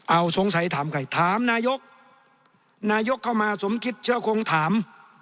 เอาสงสัยถามใครถามนายกนายกเข้ามาสมคิดเชื้อคงถาม